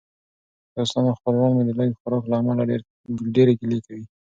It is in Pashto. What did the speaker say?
دوستان او خپلوان مې د لږ خوراک له امله ډېرې ګیلې کوي.